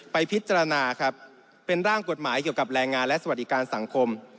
ไปพิจารณาครับเป็นร่างกฎหมายเกี่ยวกับแรงงานและสวัสดิการสังคม